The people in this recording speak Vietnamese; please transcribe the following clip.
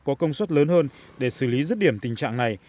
có công suất lớn hơn để xử lý rứt điểm tình trạng này